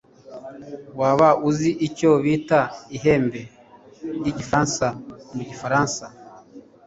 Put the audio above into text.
Waba uzi icyo bita ihembe ryigifaransa mugifaransa?